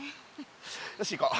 よし行こう。